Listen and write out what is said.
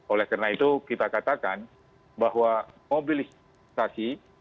oleh karena itu kita katakan bahwa mobilisasi